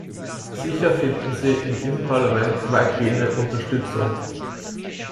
Sicher finden Sie in diesem Parlament weitgehende Unterstützung.